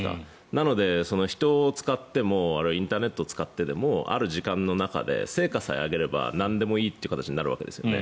なので、人を使ってもインターネットを使ってでもある時間の中で成果さえ上げればなんでもいいという形になるわけですよね。